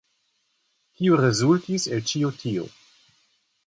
Kio rezultis el ĉio tio?